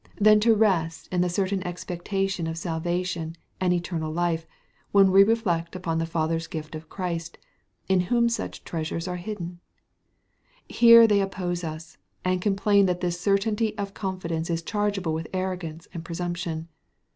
" than to rest in the certain expectation of salvation and eternal life, when we reflect upon the Father's gift of Christ, in whom such treasures are hidden? Here they oppose us, and complain that this certainty of confidence is chargeable with arrogance and presumption.